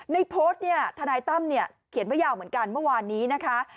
ในโพสต์ธนายตั้มเขียนไว้ยาวเหมือนกันเมื่อวานนี้นะคะ